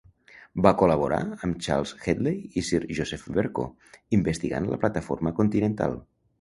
Va col·laborar amb Charles Hedley i sir Joseph Verco investigant la plataforma continental.